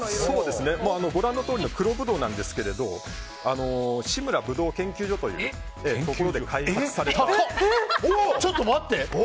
ご覧のとおり黒ブドウなんですが志村葡萄研究所というところで開発された。